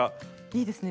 いいですね